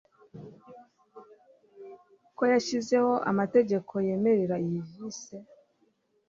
ko yashyizeho amategeko yemerera iyi vice